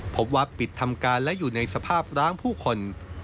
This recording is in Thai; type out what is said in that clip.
พบว่าปิดทำการและอยู่ในสภาพร้างผู้คน